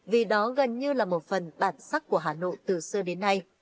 vì đó gần như là một phần bản sắc của hà nội từ xưa đến nay